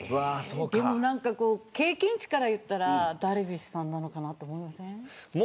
でも経験値から言うとダルビッシュさんなのかなと思いませんか。